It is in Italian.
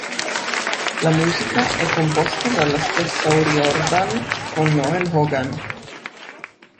La musica è composta dalla stessa O'Riordan con Noel Hogan.